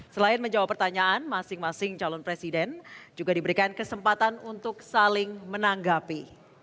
selain menjawab pertanyaan masing masing calon presiden juga diberikan kesempatan untuk saling menanggapi